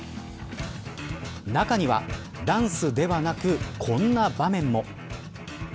中にはダンスではなくこんな場面も。